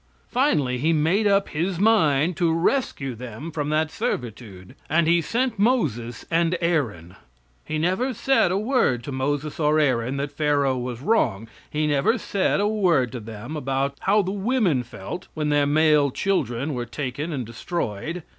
Finally He made up His mind to rescue them from that servitude, and He sent Moses and Aaron. He never said a word to Moses or Aaron that Pharaoh was wrong. He never said a word to them about how the women felt when their male children were taken and destroyed.